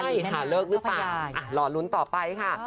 ใช่ค่ะเลิกหรือเปล่ารอลุ้นต่อไปค่ะ